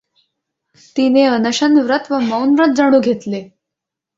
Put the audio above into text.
तिने अनशनव्रत व मौनव्रत जणू घेतले.